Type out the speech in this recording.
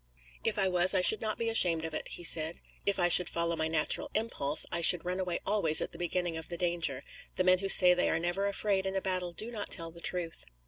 "If I was I should not be ashamed of it," he said. "If I should follow my natural impulse, I should run away always at the beginning of the danger; the men who say they are never afraid in a battle do not tell the truth."